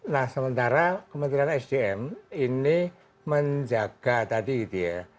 nah sementara kementerian sdm ini menjaga tadi gitu ya